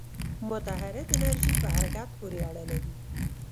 متحرک انرژی په حرکت پورې اړه لري.